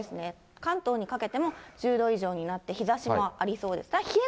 関東にかけても、１０度以上になって、日ざしもありそうです。